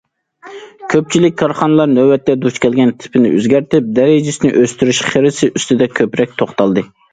كۆپچىلىك كارخانىلار نۆۋەتتە دۇچ كەلگەن تېپىنى ئۆزگەرتىپ دەرىجىسىنى ئۆستۈرۈش خىرىسى ئۈستىدە كۆپرەك توختالدى.